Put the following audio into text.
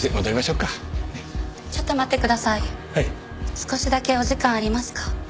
少しだけお時間ありますか？